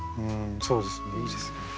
そうですねいいですね。